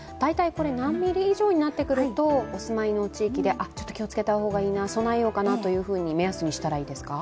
何ミリ以上になってくると、お住まいの地域でちょっと気をつけた方がいいな、備えようかなという目安にしたらいいですか？